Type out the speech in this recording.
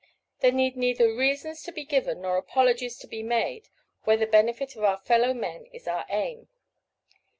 There need neither reasons to be given nor apologies to be made where the benefit of our fellow men is our aim.